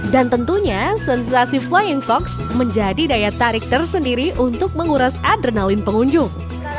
dan tentunya sensasi flying fox menjadi daya tarik tersendiri untuk menguras adrenalin pengunjung